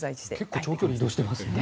結構長距離移動していますね。